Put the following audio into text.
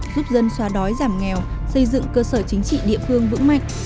giúp dân xóa đói giảm nghèo xây dựng cơ sở chính trị địa phương vững mạnh